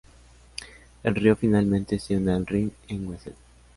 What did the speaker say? El río finalmente se une al Rin en Wesel.